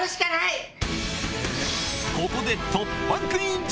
ここで突破クイズ！